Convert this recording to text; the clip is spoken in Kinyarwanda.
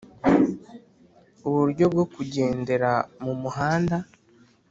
uburyo bwo kugendera mu muhanda